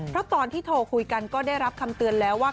เพราะตอนที่โทรคุยกันก็ได้รับคำเตือนแล้วว่า